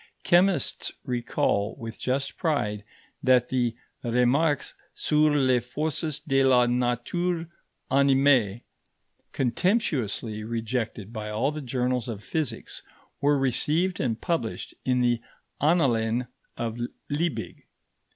Chemists recall with just pride that the Remarques sur les forces de la nature animée, contemptuously rejected by all the journals of physics, were received and published in the Annalen of Liebig.